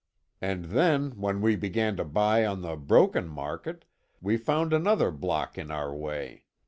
And then when we began to buy on the broken market, we found another block in our way.